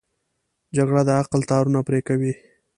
جګړه د عقل تارونه پرې کوي